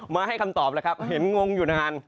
มาให้คำตอบแล้วครับเห็นงงอยู่นาน